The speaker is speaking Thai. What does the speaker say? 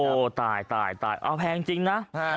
โอ้ตายตายตายอ่าแพงจริงนะอ่าอ่า